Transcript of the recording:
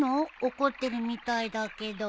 怒ってるみたいだけど。